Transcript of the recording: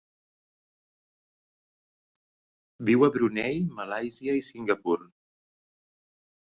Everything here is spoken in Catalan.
Viu a Brunei, Malàisia i Singapur.